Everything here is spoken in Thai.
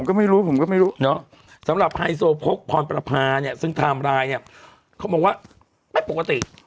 ผมก็ไม่รู้สำหรับไฮโซพกพรปราภาซึ่งทำลายเค้าบอกว่าไม่ปกติ